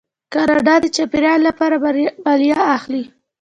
کاناډا د چاپیریال لپاره مالیه اخلي.